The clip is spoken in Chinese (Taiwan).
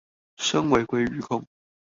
身為鮭魚控